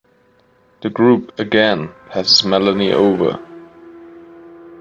The group again passes Melanie over.